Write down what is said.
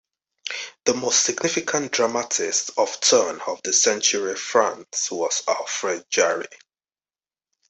The most significant dramatist of turn of the century France was Alfred Jarry.